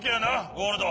ゴールド。